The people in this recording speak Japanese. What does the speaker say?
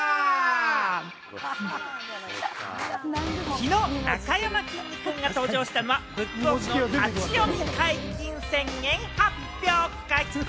きのう、なかやまきんに君が登場したのは、ブックオフの立ち読み解禁宣言発表会。